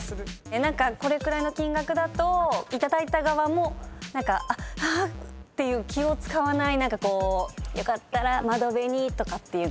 これくらいの金額だと頂いた側もあっっていう気を使わない何かこうよかったら窓辺にとかっていうのも。